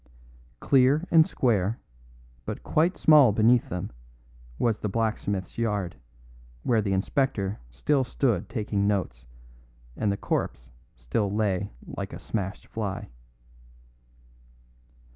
Clear and square, but quite small beneath them, was the blacksmith's yard, where the inspector still stood taking notes and the corpse still lay like a smashed fly.